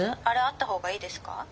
あれあった方がいいですか？